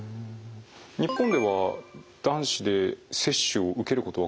日本では男子で接種を受けることは可能なんでしょうか？